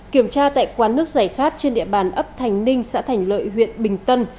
kiểm tra tại quán nước giải khát trên địa bàn ấp thành ninh xã thành lợi huyện bình tân